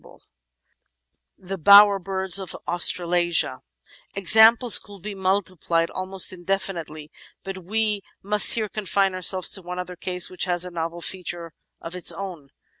'J. W. MUlais. 436 The Outline of Science The Bower birds of Australasia Examples could be multiplied almost indefinitely, but we must here confine ourselves to one other case which has a novel feature of its own.